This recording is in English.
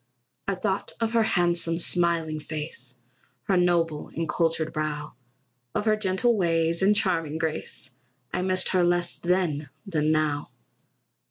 I thought of her handsome, smiling face, Her noble and cultured brow, Of her gentle ways, and charming grace; I missed her less then than now.